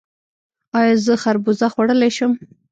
ایا زه خربوزه خوړلی شم؟